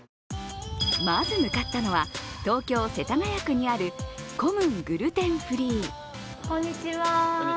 まず向かったのは、東京・世田谷区にあるコム・ングルテンフリー。